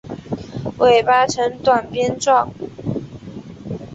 尾巴呈短鞭状。